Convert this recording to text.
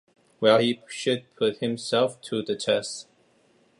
Well, he should put himself to the test.